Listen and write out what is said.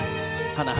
花＊